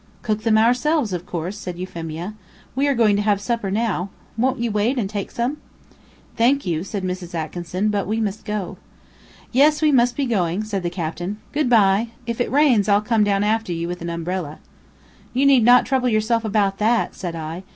"Cook them ourselves, of course," said Euphemia. "We are going to have supper now. Won't you wait and take some?" "Thank you," said Mrs. Atkinson, "but we must go." "Yes, we must be going," said the captain. "Good bye. If it rains I'll come down after you with an umbrella." "You need not trouble yourself about that," said I.